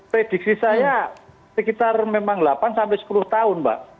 prediksi saya sekitar memang delapan sampai sepuluh tahun mbak